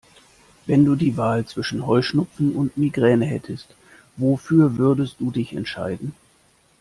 Wenn du die Wahl zwischen Heuschnupfen und Migräne hättest, wofür würdest du dich entscheiden?